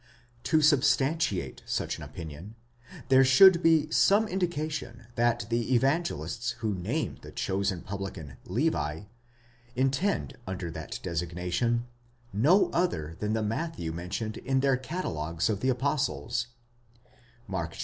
t To substantiate such an opinion, there should be some indication that the Evangelists who name the chosen publican Levi, intend under that desig nation no other than the Matthew mentioned in their catalogues of the apostles (Mark iii.